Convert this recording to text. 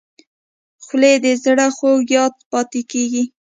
خولۍ د زړه خوږ یاد پاتې کېږي.